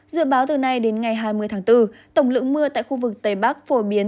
dự báo từ nay đến ngày hai mươi tháng bốn tổng lượng mưa tại khu vực tây bắc phổ biến